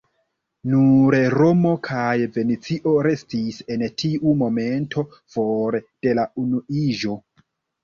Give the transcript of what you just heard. Nur Romo kaj Venecio restis en tiu momento for de la unuiĝo.